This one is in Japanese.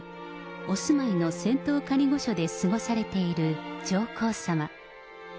お住まいの仙洞仮御所で過ごされている上皇さま。